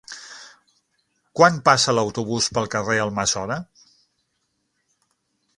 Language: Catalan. Quan passa l'autobús pel carrer Almassora?